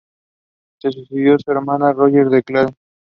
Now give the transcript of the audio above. However Beck herself reputedly only left Rock twice in her life.